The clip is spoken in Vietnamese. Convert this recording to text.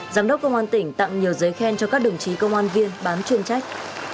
giám đốc công an tỉnh tặng nhiều giấy khen cho các đồng chí công an viên bán chuyên trách